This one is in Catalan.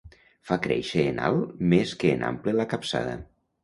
Fer créixer en alt més que en ample la capçada.